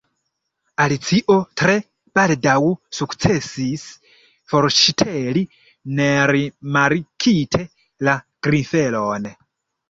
Alicio tre baldaŭ sukcesis forŝteli nerimarkite la grifelon.